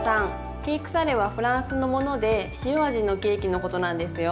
ケークサレはフランスのもので塩味のケーキのことなんですよ。